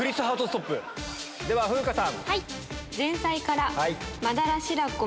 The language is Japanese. では風花さん。